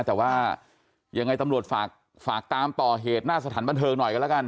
แต่ว่ายังไงตำรวจฝากตามต่อเหตุหน้าสถานบันเทิงหน่อยกันแล้วกัน